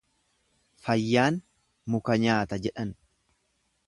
Fayyaan muka nyaata jedhan.